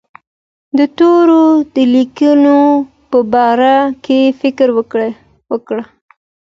تورو د لیکلو په باره کې فکر وکړ.